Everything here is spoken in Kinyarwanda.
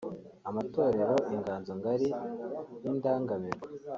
amatorero Inganzo ngari n’Indangamirwa